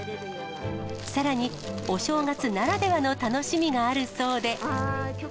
さらに、お正月ならではの楽しみがあるそうで。